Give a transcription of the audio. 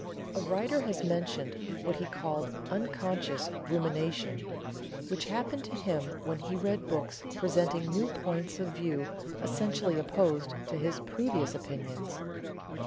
A writer has mentioned what he called "unconscious rumination," which happened to him when he read books presenting new points of view essentially opposed to his previous opinions.